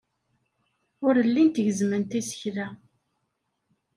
Ur llint gezzment isekla.